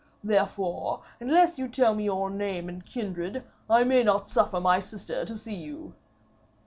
Therefore, unless you tell me your name and kindred, I may not suffer my sister to see you.'